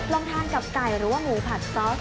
ลองทานกับไก่หรือว่าหมูผัดซอส